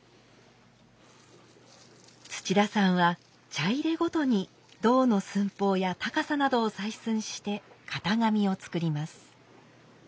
土田さんは茶入ごとに胴の寸法や高さなどを採寸して型紙を作ります。